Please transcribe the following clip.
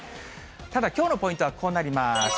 ただ、きょうのポイントはこうなります。